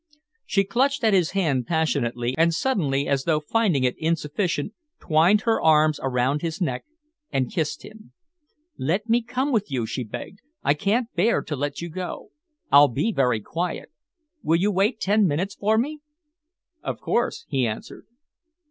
She clutched at his hand passionately, and suddenly, as though finding it insufficient, twined her arms around his neck and kissed him. "Let me come with you," she begged. "I can't bear to let you go. I'll be very quiet. Will you wait ten minutes for me?" "Of course," he answered.